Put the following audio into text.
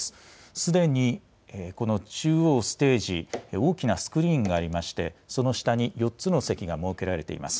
すでにこの中央ステージ、大きなスクリーンがありまして、その下に４つの席が設けられています。